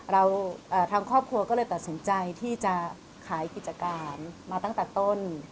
ทางครอบครัวก็เลยตัดสินใจที่จะขายกิจการมาตั้งแต่ต้น